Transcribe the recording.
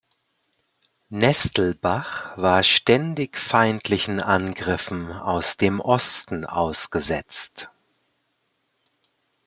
Nestelbach war ständig feindlichen Angriffen aus dem Osten ausgesetzt.